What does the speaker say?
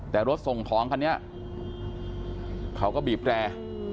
แต่รถส่งของคันนี้เขาก็บีบแร่